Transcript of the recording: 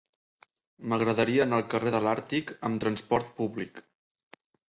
M'agradaria anar al carrer de l'Àrtic amb trasport públic.